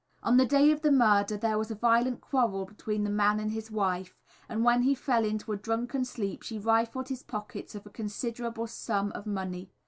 On the day of the murder there was a violent quarrel between the man and his wife, and when he fell into a drunken sleep she rifled his pockets of a considerable sum of money.